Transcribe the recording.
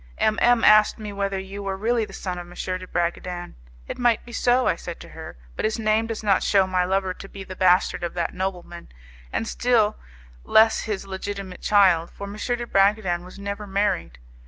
M M asked me whether you were really the son of M, de Bragadin. 'It might be so,' I said to her, 'but his name does not shew my lover to be the bastard of that nobleman, and still less his legitimate child, for M. de Bragadin was never married.